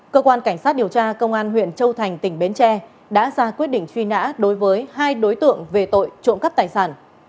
cơ quan cảnh sát điều tra công an huyện châu thành tỉnh bến tre đã ra quyết định truy nã đối với hai đối tượng về tội trộm cắp tài sản